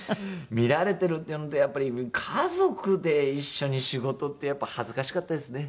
見られてるっていうのと家族で一緒に仕事ってやっぱり恥ずかしかったですね。